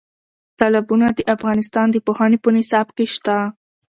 تالابونه د افغانستان د پوهنې په نصاب کې شته.